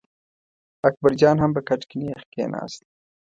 اکبر جان هم په کټ کې نېغ کېناست.